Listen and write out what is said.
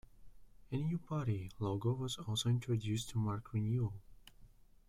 A new party logo was also introduced to mark renewal.